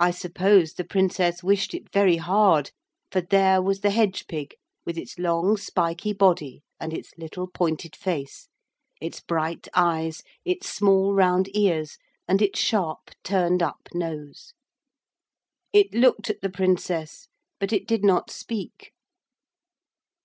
I suppose the Princess wished it very hard, for there was the hedge pig with its long spiky body and its little pointed face, its bright eyes, its small round ears, and its sharp, turned up nose. It looked at the Princess but it did not speak.